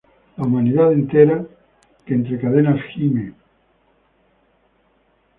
La humanidad entera, que entre cadenas gime, com